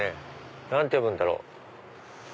何て読むんだろう？